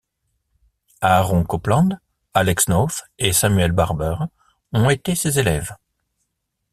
Aaron Copland, Alex North et Samuel Barber ont été ses élèves.